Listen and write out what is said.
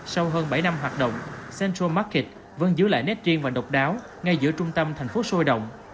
sau hơn bảy năm hoạt động central market vẫn giữ lại nét riêng và độc đáo ngay giữa trung tâm thành phố sôi động